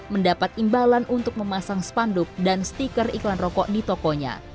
mendapat imbalan untuk memasang spanduk dan stiker iklan rokok di tokonya